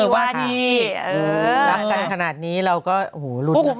ถ้ารักกันขนาดนี้เราก็รุด